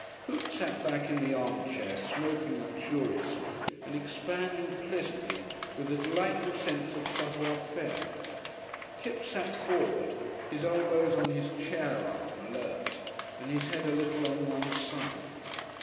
Coote sat back in the armchair smoking luxuriously and expanding pleasantly, with the delightful sense of Savoir Faire; Kipps sat forward, his elbows on his chair arm alert, and his head a little on one side.